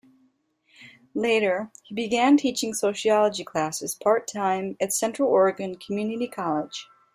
Later, he began teaching Sociology classes part-time at Central Oregon Community College.